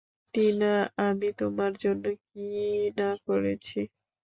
টিনা, আমি তোমার জন্য কি না করেছি।